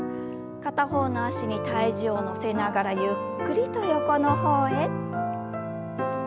片方の脚に体重を乗せながらゆっくりと横の方へ。